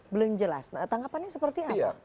belum jelas tanggapannya seperti apa